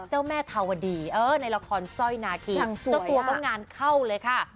เจ้าแม่ธาวดีเออในละครสร้อยนาคีเจ้าตัวก็งานเข้าเลยค่ะ